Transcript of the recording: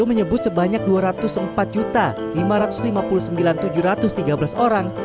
menyebut sebanyak dua ratus empat lima ratus lima puluh sembilan tujuh ratus tiga belas orang